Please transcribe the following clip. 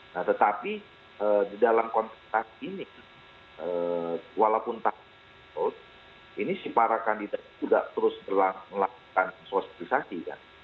nah tetapi di dalam konteks ini walaupun tahun ini si para kandidat sudah terus melakukan sosialisasi